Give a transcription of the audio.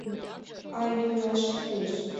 А йӱаш кӱлеш.